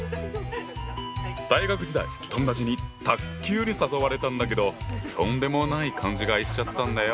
大学時代友達に卓球に誘われたんだけどとんでもない勘違いしちゃったんだよ！